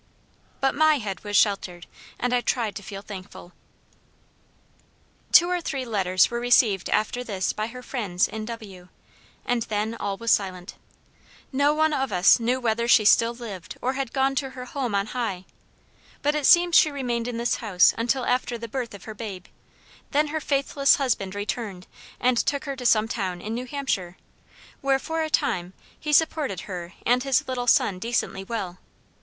"But MY head WAS SHELTERED, and I tried to feel thankful." Two or three letters were received after this by her friends in W , and then all was silent. No one of us knew whether she still lived or had gone to her home on high. But it seems she remained in this house until after the birth of her babe; then her faithless husband returned, and took her to some town in New Hampshire, where, for a time, he supported her and his little son decently well.